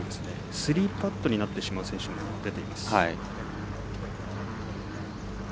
３パットになってしまう選手も出ています。